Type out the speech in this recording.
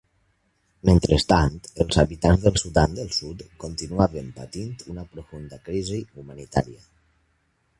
Mentrestant, els habitants del Sudan del Sud continuaven patint una profunda crisi humanitària.